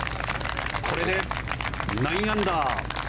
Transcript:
これで９アンダー。